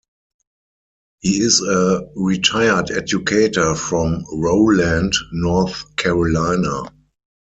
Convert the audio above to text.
He is a retired educator from Rowland, North Carolina.